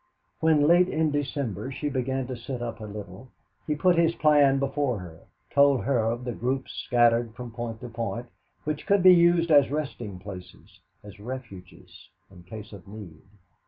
When, late in December, she began to sit up a little, he put his plan before her, told her of the groups scattered from point to point, which could be used as resting places, as refuges in case of need.